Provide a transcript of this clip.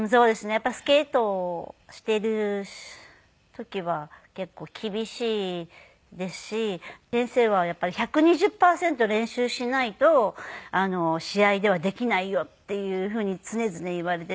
やっぱりスケートをしている時は結構厳しいですし先生は１２０パーセント練習しないと試合ではできないよっていうふうに常々言われていて。